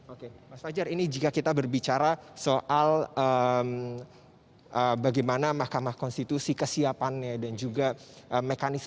oke mas fajar ini jika kita berbicara soal bagaimana mahkamah konstitusi kesiapannya dan juga mekanisme